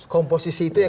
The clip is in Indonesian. komposisi itu ya